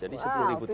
jadi sepuluh triliun